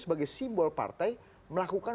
sebagai simbol partai melakukan